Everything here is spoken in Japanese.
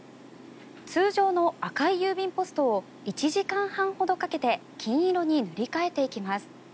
通常の赤い郵便ポストを１時間半ほどかけて金色に塗り替えていきます。